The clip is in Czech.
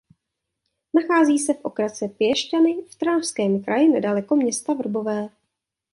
Nachází se v okrese Piešťany v Trnavském kraji nedaleko města Vrbové.